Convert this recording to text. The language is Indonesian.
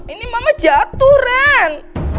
ini mama jatuh ren